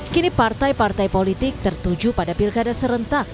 kini partai partai politik tertuju pada pilkada serentak